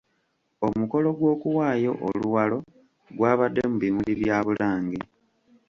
Omukolo gw'okuwaayo oluwalo gwabadde mu bimuli bya Bulange.